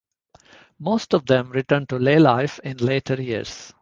Most of them return to lay life in later years.